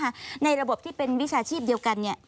การใช้ระบบวิชาชีพเดียวกันเนี่ย